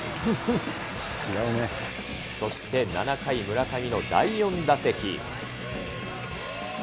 そして７回、村上の第４打席。